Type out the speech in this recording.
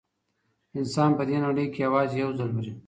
انسان په دې نړۍ کي یوازې یو ځل مري.